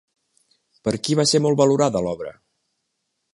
Per qui va ser molt valorada l'obra?